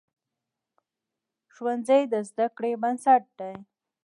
ښوونځی د زده کړې بنسټ دی.